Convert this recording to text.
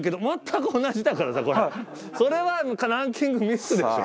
それはランキングミスでしょ。